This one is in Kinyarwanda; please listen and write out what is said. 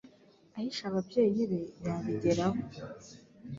ahisha ababyeyi be yabigeraho